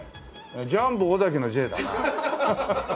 ジャンボ尾崎のＪだな。